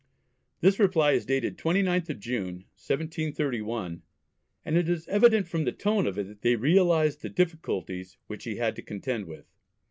This reply is dated 29th of June, 1731, and it is evident from the tone of it that they realised the difficulties which he had to contend with.